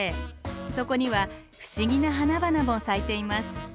そこには不思議な花々も咲いています。